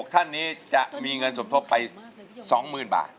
ท่านนี้จะมีเงินสมทบไป๒๐๐๐บาท